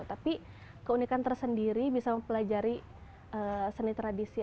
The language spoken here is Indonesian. tapi keunikan tersendiri bisa mempelajari seni tradisi